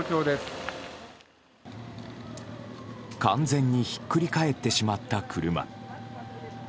完全にひっくり返ってしまった車。